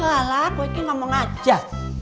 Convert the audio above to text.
alah aku ini ngomong aja